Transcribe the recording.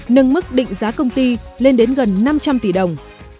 nâng mức định giá công ty lên đến gần năm trăm linh tỷ đồng